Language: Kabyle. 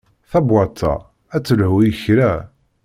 Tabewwaṭ-a ad telhu i kra.